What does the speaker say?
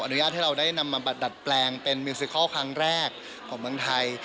อุญาตให้เราได้นำมาดัดแปลงเป็นมิวซิคอลครั้งแรกของเมืองไทย